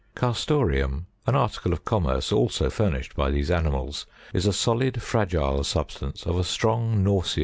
54. Castoreum, an article of commerce also furnished by these animals, is a solid, fragile substance of a strong nauseous odour.